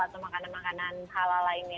atau makanan makanan halal lainnya